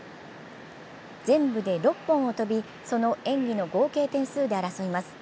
全部で６本を飛び、その演技の合計点数で争います。